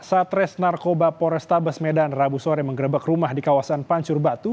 satres narkoba polrestabes medan rabu sore menggerebek rumah di kawasan pancur batu